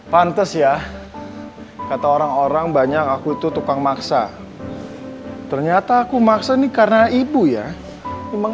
pantes ya kata orang orang banyak aku tuh tukang maksa ternyata aku maksa nih karena ibu ya memang